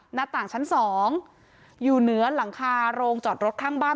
หน้าต่างชั้นสองอยู่เหนือหลังคาโรงจอดรถข้างบ้าน